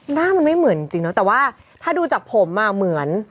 หน้ามันไม่เหมือนจริงเนอะแต่ว่าถ้าดูจากผมอ่ะเหมือน